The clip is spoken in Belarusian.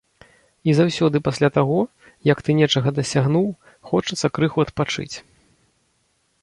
І заўсёды пасля таго, як ты нечага дасягнуў, хочацца крыху адпачыць.